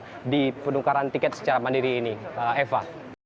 jadi ini adalah hal yang harus kita lakukan secara mandiri ini eva